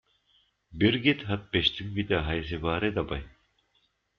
Birgit hat bestimmt wieder heiße Ware dabei.